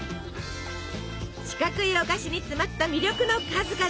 四角いお菓子に詰まった魅力の数々！